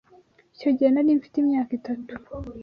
Icyo gihe nari mfite imyaka itatu.